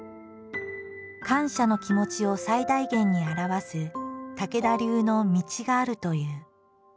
感謝の気持ちを最大限に表す武田流の「道」があるという。